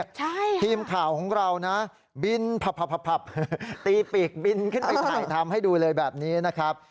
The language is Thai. ใช่ทีมข่าวของเรานะบินผับตีปีกบินขึ้นไปถ่ายทำให้ดูเลยแบบนี้นะครับ